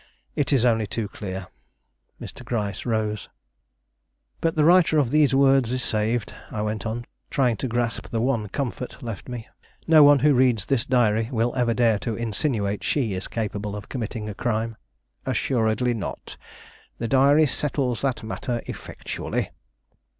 "It is only too clear." Mr. Gryce rose. "But the writer of these words is saved," I went on, trying to grasp the one comfort left me. "No one who reads this Diary will ever dare to insinuate she is capable of committing a crime." "Assuredly not; the Diary settles that matter effectually."